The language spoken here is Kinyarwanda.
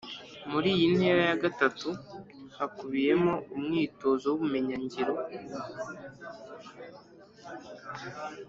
Muri iyi ntera ya gatatu hakubiyemo umwitozo w’ubumenyingiro